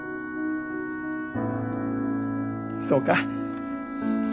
そうか。